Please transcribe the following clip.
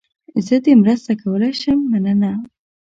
زه دې مرسته کولای شم، مننه.